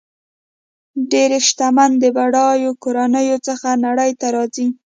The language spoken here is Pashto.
ډېری شتمن د بډایو کورنیو څخه نړۍ ته راځي.